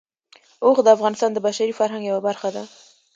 اوښ د افغانستان د بشري فرهنګ یوه برخه ده.